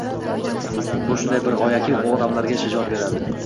Bu shunday bir g‘oyaki, u odamlarga shijoat beradi.